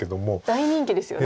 大人気ですよね